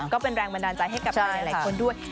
ก็เป็นแรงบันดาลใจให้กลายอัลเกินครับ